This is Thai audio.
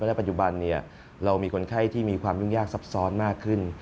และปัจจุบันเรามีคนไข้ที่มีความยุ่งยากซับซ้อนมากขึ้น